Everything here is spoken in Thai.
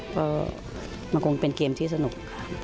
ก็มันคงเป็นเกมที่สนุกค่ะ